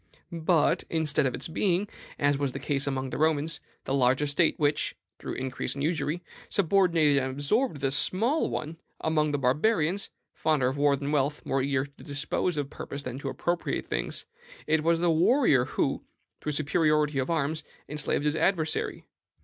But, instead of its being, as was the case among the Romans, the large estate which, through increase and usury, subordinated and absorbed the small one, among the Barbarians fonder of war than of wealth, more eager to dispose of persons than to appropriate things it was the warrior who, through superiority of arms, enslaved his adversary.